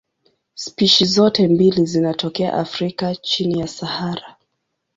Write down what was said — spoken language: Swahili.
Spishi zote mbili zinatokea Afrika chini ya Sahara.